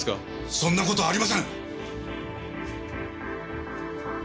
そんな事はありません！